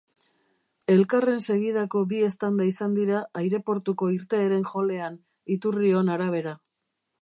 Elkarren segidako bi eztanda izan dira aireportuko irteeren hallean, iturrion arabera.